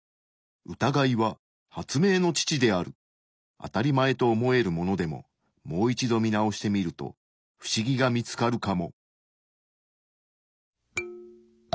あたりまえと思えるものでももう一度見直してみると不思議が見つかるかも。